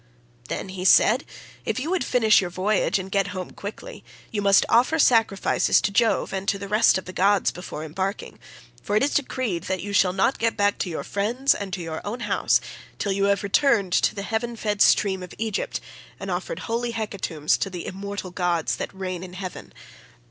"Then,' he said, 'if you would finish your voyage and get home quickly, you must offer sacrifices to Jove and to the rest of the gods before embarking; for it is decreed that you shall not get back to your friends, and to your own house, till you have returned to the heaven fed stream of Egypt, and offered holy hecatombs to the immortal gods that reign in heaven.